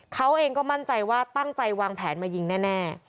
เขาเองก็มั่นใจว่าตั้งใจวางแผนมายิงแน่